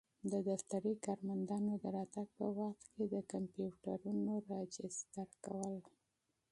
د دفتري کارمندانو د راتګ په وخت کي د کمپیوټرونو راجستر کول.